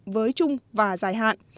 với chung và giải hạn